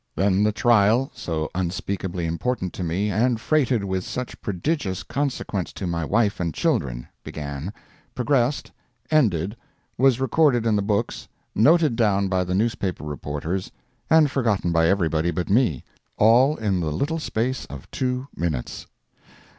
Then the trial so unspeakably important to me, and freighted with such prodigious consequence to my wife and children, began, progressed, ended, was recorded in the books, noted down by the newspaper reporters, and forgotten by everybody but me—all in the little space of two minutes!